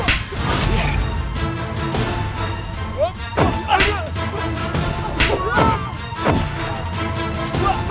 anda jangan mendapatkan astagfirullah alaminya